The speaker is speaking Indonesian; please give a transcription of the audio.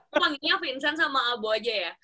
wahyunya vincent sama abu aja ya